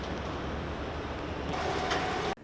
pemerintah juga harus berhati hati terhadap pemerintah